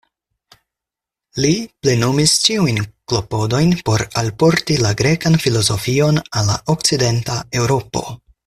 Li plenumis ĉiujn klopodojn por alporti la grekan filozofion al la Okcidenta Eŭropo.